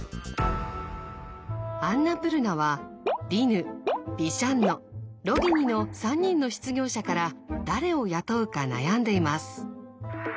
アンナプルナはディヌビシャンノロギニの３人の失業者から誰を雇うか悩んでいます。